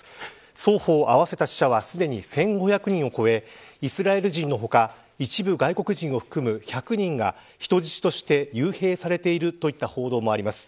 双方合わせた死者はすでに１５００人を超えイスラエル人の他一部、外国人を含む１００人が人質として幽閉されているといった報道もあります。